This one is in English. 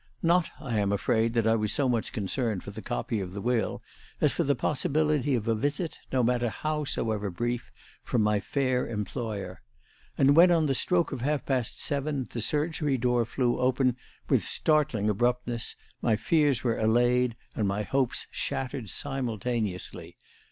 Not, I am afraid, that I was so much concerned for the copy of the will as for the possibility of a visit, no matter howsoever brief, from my fair employer; and when, on the stroke of half past seven, the surgery door flew open with startling abruptness, my fears were allayed and my hopes shattered simultaneously.